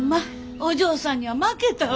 お嬢さんには負けたわ。